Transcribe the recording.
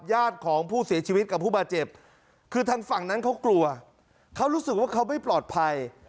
ญาติของผู้เสียชีวิตกับผู้บาดเจ็บคือทางฝั่งนั้นเขากลัวเขารู้สึกว่าเขาไม่ปลอดภัย